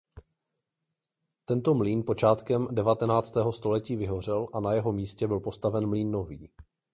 Tento mlýn počátkem devatenáctého století vyhořel a na jeho místě byl postaven mlýn nový.